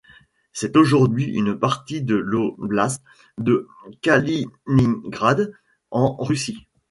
C'est aujourd'hui une partie de l'oblast de Kaliningrad, en Russie.